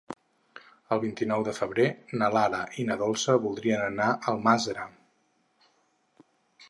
El vint-i-nou de febrer na Lara i na Dolça voldrien anar a Almàssera.